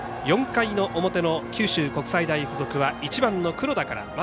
４回の表の九州国際大付属は１番の黒田から。